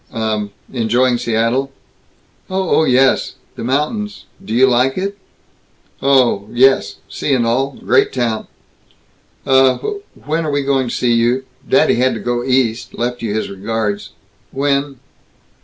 "Uh, enjoying Seattle?" "Oh! Oh yes. The mountains Do you like it?" "Oh! Oh yes. Sea and all Great town." "Uh, w when are we going to see you? Daddy had to go East, left you his regards. W when